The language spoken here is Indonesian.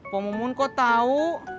poh mumun kau tahu